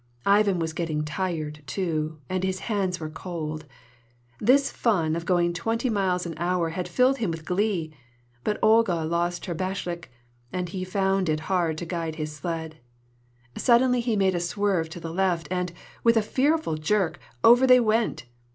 Ivan was getting tired, too, and his hands were cold. This fun of going twenty miles an hour had filled him with glee; but Olga lost her bashlyk, and he found it hard to guide his sled. Suddenly he made a swerve to the left, and, with a fearful jerk, over they went.